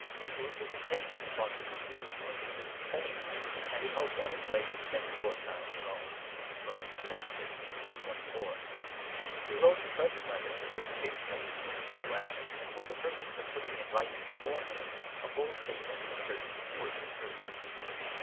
It was his intention, upon leaving Jerusalem, to visit Spain, and he hoped on his way to spend a short time in Rome (Rom. 15. 24). He wrote the present Letter in anticipation of this journey to the West and for the purpose of putting in writing beforehand a full statement of certain important truths.